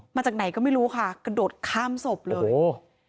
มาจากไหนก็ไม่รู้ค่ะกระโดดข้ามศพเลยโอ้